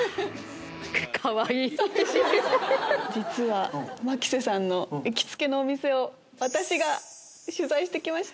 実は牧瀬さんの行きつけのお店を私が取材して来ました。